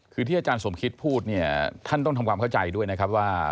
คือที่อาจารย์สมคิตพูดเนี่ยท่านต้องทำความเข้าใจด้วยนะครับว่า